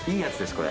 これ。